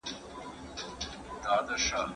موږ باید د نړۍ له ټولو نويو ټیکنالوژیو خبر واوسو.